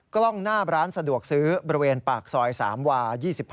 กล้องหน้าร้านสะดวกซื้อบริเวณปากซอย๓วา๒๕